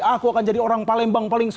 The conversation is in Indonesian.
aku akan jadi orang palembang paling